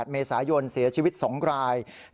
๘เมษายนเสียชีวิต๒ราย